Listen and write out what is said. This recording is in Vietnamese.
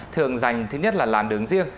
thường dành thứ nhất là làn đường riêng